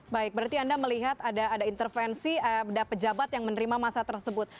baik berarti anda melihat ada intervensi ada pejabat yang menerima masa tersebut